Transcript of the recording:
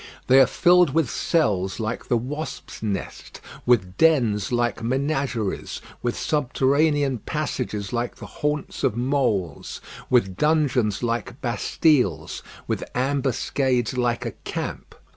They are filled with cells like the wasps' nest, with dens like menageries, with subterranean passages like the haunts of moles, with dungeons like Bastiles, with ambuscades like a camp.